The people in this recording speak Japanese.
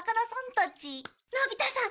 のび太さん